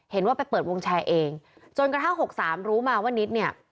เห็นว่าไปเปิดวงแชร์เองจนกระทั่ง๖๓รู้มาว่านิดเนี่ย